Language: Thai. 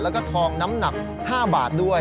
แล้วก็ทองน้ำหนัก๕บาทด้วย